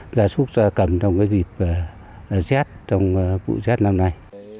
gia súc gia cầm trong dịp rét trong vụ rét năm nay